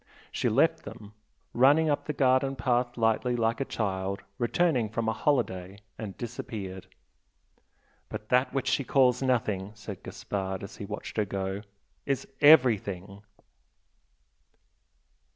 She left them, running up the garden path lightly like a child returning from a holiday, and disappeared. "But that which she calls nothing" said Gaspard as he watched her go "is everything!"